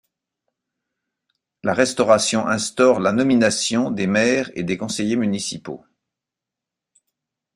La Restauration instaure la nomination des maires et des conseillers municipaux.